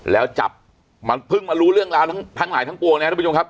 แล้วจับมันเพิ่งมารู้เรื่องราวทั้งหลายทั้งปวงนะครับทุกผู้ชมครับ